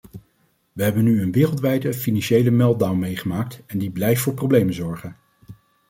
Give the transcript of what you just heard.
We hebben nu een wereldwijde financiële meltdown meegemaakt en die blijft voor problemen zorgen.